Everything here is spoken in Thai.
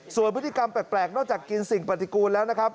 ส่วนพฤติกรรมแปลกนอกจากกินสิ่งปฏิกูลแล้วนะครับ